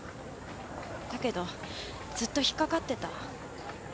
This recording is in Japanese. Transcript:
だけどずっと引っ掛かってた。